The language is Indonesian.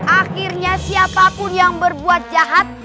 akhirnya siapapun yang berbuat jahat